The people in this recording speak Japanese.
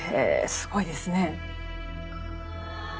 すごいですね。